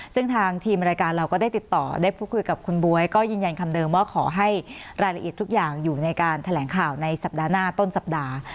ซึ่งทางทีมรายการเราก็ได้ติดต่อได้พูดคุยกับคุณบ๊วยก็ยืนยันคำเดิมว่าขอให้รายละเอียดทุกอย่างอยู่ในการแถลงข่าวในสัปดาห์หน้าต้นสัปดาห์